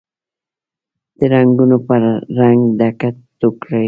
د رنګونوپه رنګ، ډکه ټوکرۍ